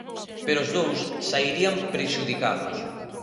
Pero os dous sairían prexudicados.